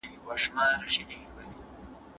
زه چی هرڅومره زړېږم دغه فکر مي زیاتیږي